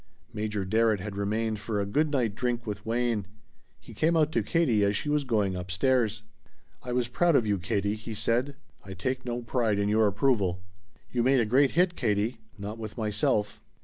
Major Darrett had remained for a good night drink with Wayne. He came out to Katie as she was going up stairs. "I was proud of you, Katie," he said. "I take no pride in your approval!" "You made a great hit, Katie." "Not with myself."